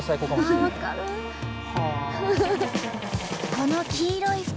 この黄色い袋。